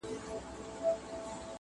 o پردى غم، نيم اختر دئ٫